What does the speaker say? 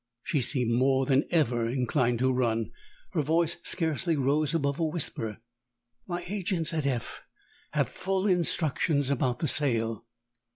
She seemed more than ever inclined to run. Her voice scarcely rose above a whisper. "My agents at F have full instructions about the sale."